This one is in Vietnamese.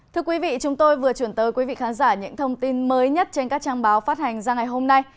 thưa quý vị chúng tôi vừa chuyển tới quý vị khán giả những thông tin mới nhất trên các trang báo phát hành ra ngày hôm nay